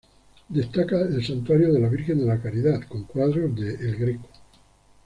Destaca el santuario de la Virgen de la Caridad con cuadros de El Greco.